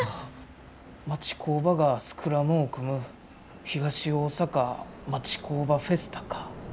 「町工場がスクラムを組む東大阪町工場フェスタ」か。